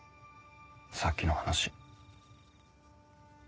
さっきの話。